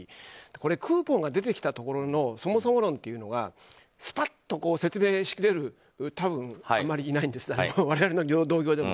クーポンが出てきたところのそもそも論というのがすぱっと説明しきれる人はあまりいないんですけど我々の同僚でも。